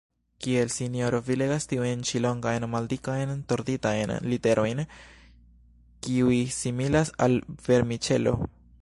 Kiel, sinjoro, vi legas tiujn ĉi longajn, maldikajn torditajn literojn kiuj similas al vermiĉelo?